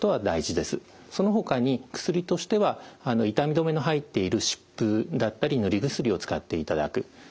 そのほかに薬としては痛み止めの入っている湿布だったり塗り薬を使っていただく。